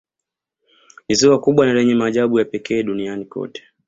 Ni ziwa kubwa na lenye maajabu ya pekee Duniani kote